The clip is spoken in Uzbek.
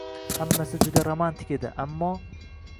Hammasi juda romantik edi, ammo...